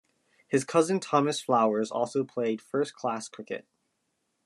His cousin Thomas Flowers also played first-class cricket.